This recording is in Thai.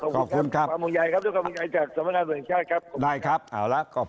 ต่าไปเลยสำรวจจะไม่โทรหาท่าน